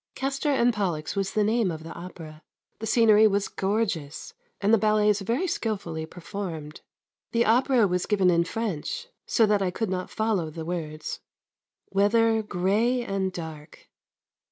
Castor and Pollux was the name of the opera. The scenery was gorgeous, and the ballets very skilfully performed. The opera was given in French, so that I could not follow the words. Weather grey and dark.